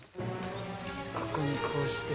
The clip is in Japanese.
ここにこうして。